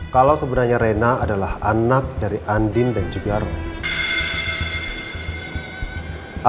kalau sebenarnya reina adalah anak dari andin dan jogja arma